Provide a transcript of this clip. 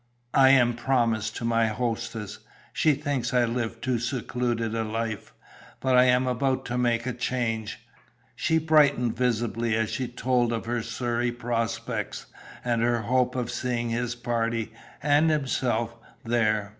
I am promised to my hostess. She thinks I live too secluded a life. But I am about to make a change." She brightened visibly as she told of her Surrey prospects, and her hope of seeing his party, and himself, there.